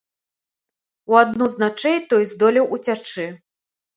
У адну з начэй той здолеў уцячы.